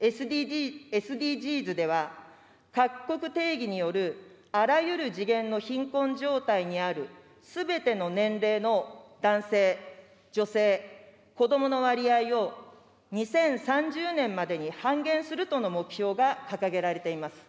ＳＤＧｓでは、各国定義による、あらゆる次元の貧困状態にある、すべての年齢の男性、女性、子どもの割合を、２０３０年までに半減するとの目標が掲げられています。